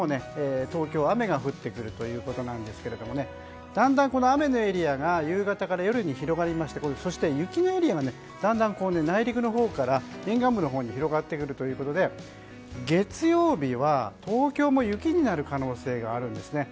東京、雨が降ってくるということなんですがだんだん、雨のエリアが夕方から夜に広がって雪のエリアがだんだん内陸のほうから沿岸部のほうに広がってくるということで月曜日は東京も雪になる可能性があるんです。